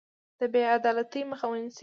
د بې عدالتۍ مخه ونیسو.